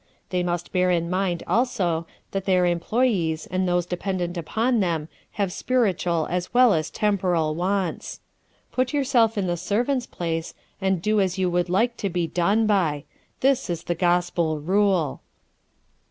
They must bear in mind, also, that their employees and those dependent upon them have spiritual as well as temporal wants. Put yourself in the servant's place, and do as you would like to be done by. This is the gospel rule.